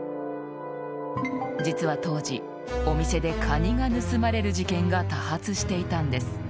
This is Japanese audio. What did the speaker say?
実は当時、お店でカニが盗まれる事件が多発していたんです。